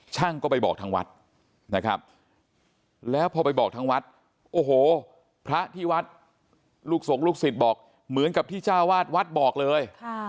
ช่างก็ไปบอกทางวัดนะครับแล้วพอไปบอกทางวัดโอ้โหพระที่วัดลูกสงฆ์ลูกศิษย์บอกเหมือนกับที่เจ้าวาดวัดบอกเลย